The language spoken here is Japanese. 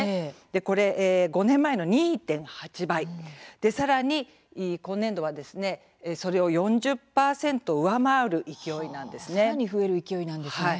これは５年前の２．８倍さらに今年度はそれを４０％上回る勢いなんです。